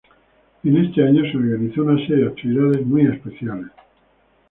En este año, se organizó una serie de actividades muy especiales.